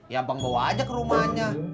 ya bang bawa aja ke rumahnya